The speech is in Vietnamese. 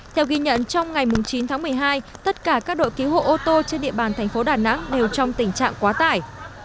theo ghi nhận trong ngày chín tháng một mươi hai tất cả các đội cứu hộ ô tô trên địa bàn thành phố đà nẵng đều trong tình trạng quá tải